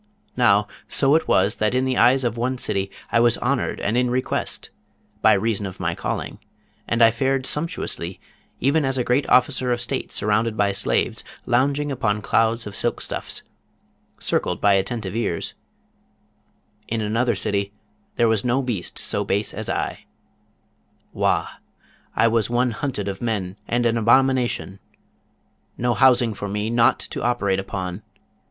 Now, so it was, that in the eyes of one city I was honoured and in request, by reason of my calling, and I fared sumptuously, even as a great officer of state surrounded by slaves, lounging upon clouds of silk stuffs, circled by attentive ears: in another city there was no beast so base as I. Wah! I was one hunted of men and an abomination; no housing for me, nought to operate upon.